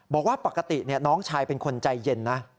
บอกว่าปกติน้องชายเป็นคนใจเย็นนะ